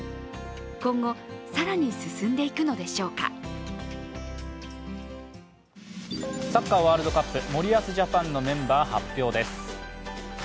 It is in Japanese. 今後、更に進んでいくのでしょうかサッカーワールドカップ、森保ジャパンのメンバー発表です。